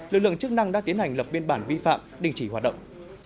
lực lượng chức năng đã tiến hành lập biên bản vi phạm đình chỉ hoạt động